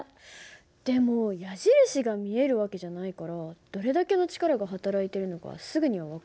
でも矢印が見える訳じゃないからどれだけの力がはたらいてるのかすぐには分からないよね。